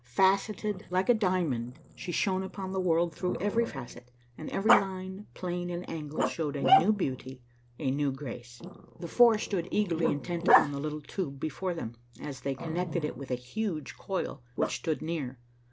Faceted like a diamond, she shone upon the world through every facet, and every line, plane and angle showed a new beauty, a new grace. The four stood eagerly intent upon the little tube before them, as they connected it with a huge coil which stood near.